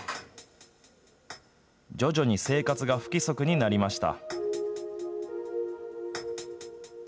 徐々に生活が不規則になりました。